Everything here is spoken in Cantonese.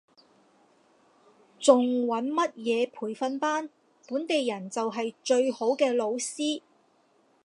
仲揾乜嘢培訓班，本地人就係最好嘅老師